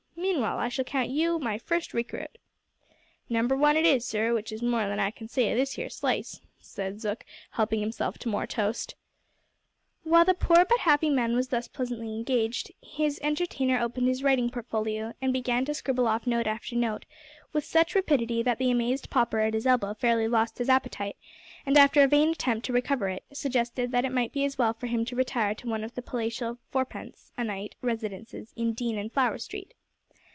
Meanwhile I shall count you my first recruit." "Number 1 it is, sir, w'ich is more than I can say of this here slice," said Zook, helping himself to more toast. While the poor but happy man was thus pleasantly engaged, his entertainer opened his writing portfolio and began to scribble off note after note, with such rapidity that the amazed pauper at his elbow fairly lost his appetite, and, after a vain attempt to recover it, suggested that it might be as well for him to retire to one of the palatial fourpence a night residences in Dean and Flower Street.